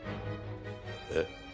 えっ？